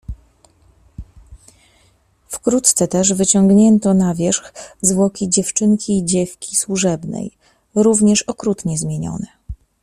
"Wkrótce też wyciągnięto na wierzch zwłoki dziewczynki i dziewki służebnej, również okrutnie zmienione."